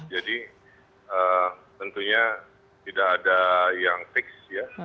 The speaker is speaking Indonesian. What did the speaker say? jadi tentunya tidak ada yang fix ya